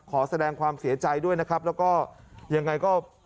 ขอแสดงความเสียใจด้วยนะครับแล้วก็ยังไงก็